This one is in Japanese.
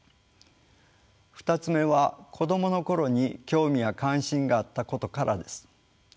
２つ目は子どもの頃に興味や関心があったことからです。